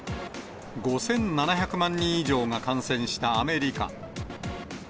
５７００万人以上が感染したアメリカ。